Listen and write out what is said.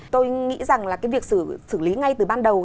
tôi nghĩ rằng là cái việc xử lý ngay từ ban đầu